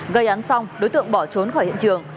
gây án xong đối tượng bỏ trốn khỏi hiện trường